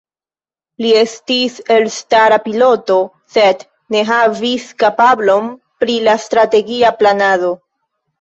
Li estis elstara piloto, sed ne havis kapablon pri la strategia planado.